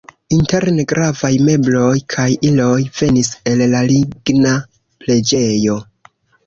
Interne gravaj mebloj kaj iloj venis el la ligna preĝejo.